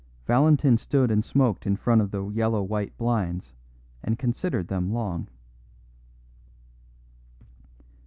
Valentin stood and smoked in front of the yellow white blinds and considered them long.